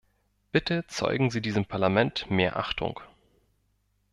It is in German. Bitte zeugen Sie diesem Parlament mehr Achtung.